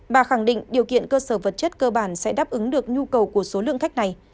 bà khẳng định điều kiện cơ sở vật chất cơ bản sẽ đáp ứng được nhu cầu của số lượng khách này